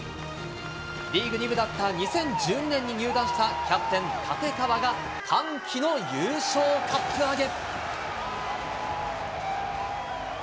リーグ２部だった２０１２年に入団した、キャプテン、立川が歓喜の優勝カップ上げ。